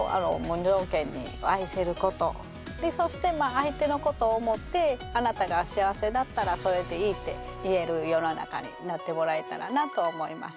そして相手のことを思ってあなたが幸せだったらそれでいいって言える世の中になってもらえたらなと思います。